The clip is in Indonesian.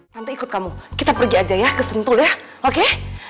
nanti ikut kamu kita pergi aja ya ke sentul ya oke